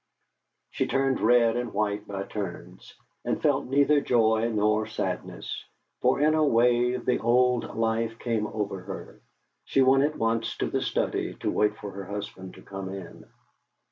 She turned red and white by turns, and felt neither joy nor sadness, for in a wave the old life came over her. She went at once to the study to wait for her husband to come in.